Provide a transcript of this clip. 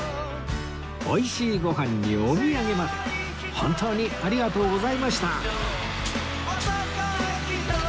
美味しいご飯にお土産まで本当にありがとうございました